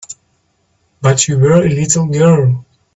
But you were a little girl.